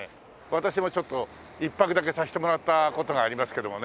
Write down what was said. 私もちょっと１泊だけさせてもらった事がありますけどもね。